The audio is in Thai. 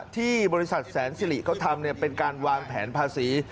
ที่บริษัทแสนสิริเขาทำเป็นการวางแผนภาษี